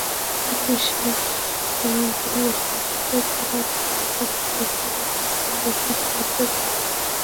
তাঁরা বিশ্বাস করেন, হাসতে পারার ক্ষমতাই তাঁদের ইতিবাচক জীবনযাপনে সাহায্য করে।